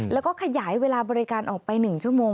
แล้วก็ขยายเวลาบริการออกไป๑ชั่วโมง